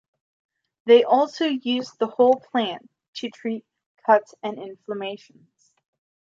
They also used the whole plant to treat cuts and inflammations.